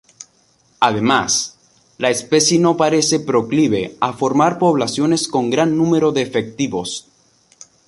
Además, la especie no parece proclive a formar poblaciones con gran número de efectivos.